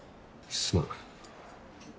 すまん。